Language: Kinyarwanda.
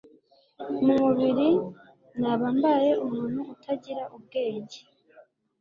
mu mubiri naba mbaye umuntu utagira ubwenge